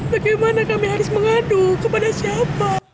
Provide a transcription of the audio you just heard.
bagaimana kami harus mengadu kepada siapa